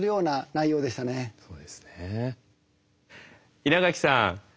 稲垣さん